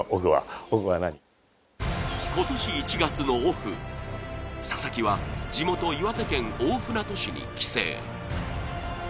今年１月のオフ、佐々木は地元岩手県大船渡市に帰省。